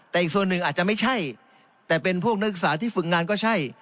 แต่อีกส่วนหนึ่งอาจจะไม่ใช่แต่เป็นพวกนักศึกษาที่ฝึกงานก็ใช่